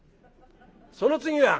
「その次は？」。